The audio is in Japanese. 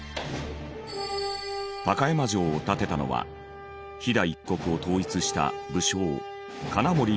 高山城を建てたのは飛騨一国を統一した武将金森長近。